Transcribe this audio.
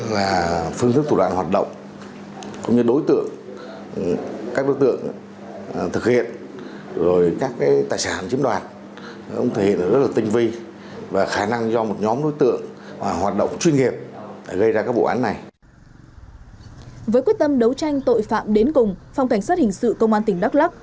với quyết tâm đấu tranh tội phạm đến cùng phòng cảnh sát hình sự công an tỉnh đắk lắc